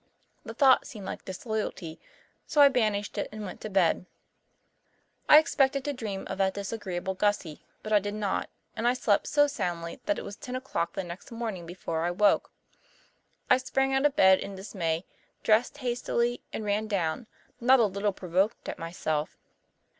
The thought seemed like disloyalty, so I banished it and went to bed. I expected to dream of that disagreeable Gussie, but I did not, and I slept so soundly that it was ten o'clock the next morning before I woke. I sprang out of bed in dismay, dressed hastily, and ran down, not a little provoked at myself.